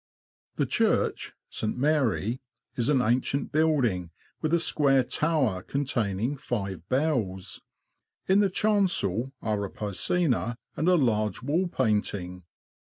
The church (St. Mary) is an ancient building, with a square tower containing five bells. In the chancel are a piscina and a large wall painting.